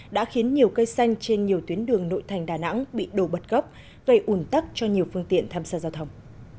đã khiến nhiều cây xanh trên nhiều tuyến đường nội thành đà nẵng bị đổ bật gốc gây ủn tắc cho nhiều phương tiện tham gia giao thông